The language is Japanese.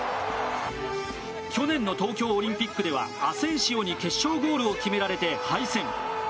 去年の東京オリンピックではアセンシオに決勝ゴールを決められて敗戦。